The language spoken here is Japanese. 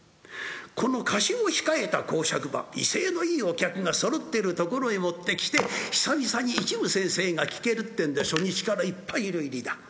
この河岸を控えた講釈場威勢のいいお客がそろってるところへもってきて久々に一夢先生が聴けるってんで初日からいっぱいいる入りだ。